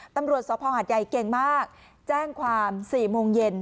ตำรวจสเพราหรรยายเก่งมากแจ้งความสี่โมงเย็น